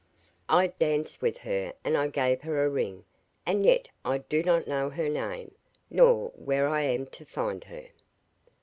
I danced with her and I gave her a ring, and yet I do not know her name, nor where I am to find her.